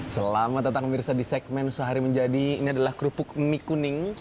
selamat datang mirsa di segmen sehari menjadi ini adalah kerupuk mie kuning